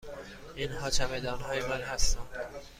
اینها چمدان های من هستند.